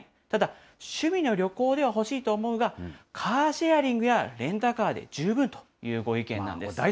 ただ、趣味の旅行では欲しいと思うが、カーシェアリングやレンタカーで十分というご意見なんです。